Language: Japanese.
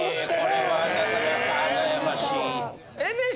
これはなかなか悩ましい。